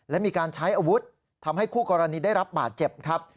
และมีการใช้อาวุธทำให้คู่กรณีได้รับบาดเจ็บครับ